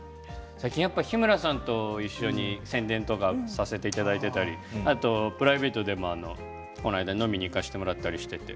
やっぱり日村さんと一緒に宣伝とかさせていただいたりプライベートでも、この間飲みに行かせてもらって。